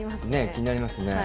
気になりますね。